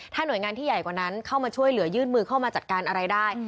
หน่วยงานที่ใหญ่กว่านั้นเข้ามาช่วยเหลือยื่นมือเข้ามาจัดการอะไรได้